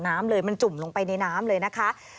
น้ำเลยมันจุ่มลงไปในน้ำเลยนะคะ